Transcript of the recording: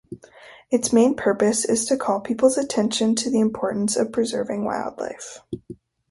Its main purpose is to call people's attention to the importance of preserving wildlife.